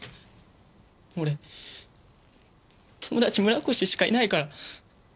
俺友達村越しかいないから。